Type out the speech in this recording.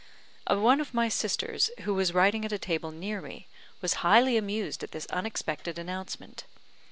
One of my sisters, who was writing at a table near me, was highly amused at this unexpected announcement.